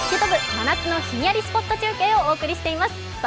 真夏のひんやりスポット中継をお送りしています。